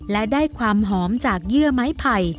และได้ความหอมจากเยื่อไม้ไผ่